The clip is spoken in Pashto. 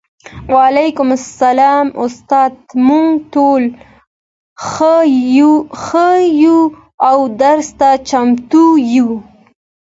وعلیکم السلام استاده موږ ټول ښه یو او درس ته چمتو یو